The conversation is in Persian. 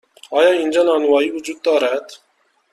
آیا اینجا نانوایی وجود دارد؟